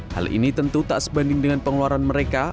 hal ini tentu tak sebanding dengan pengeluaran mereka